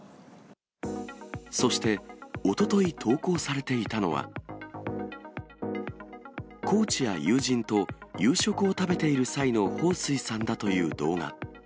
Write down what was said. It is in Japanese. そして、おととい投稿されていたのは、コーチや友人と夕食を食べている際の彭帥さんだという動画。